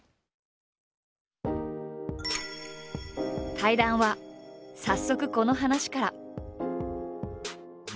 対談は早速この話から。